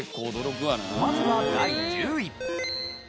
まずは第１０位。